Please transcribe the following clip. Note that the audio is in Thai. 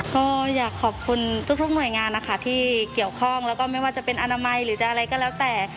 ก็อยากขอบคุณทุกหน่วยงานนะคะที่เกี่ยวข้องแล้วก็ไม่ว่าจะเป็นอนามัยหรือจะอะไรก็แล้วแต่